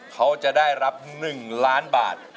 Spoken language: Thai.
เขาจะได้รับ๑ล้านบาท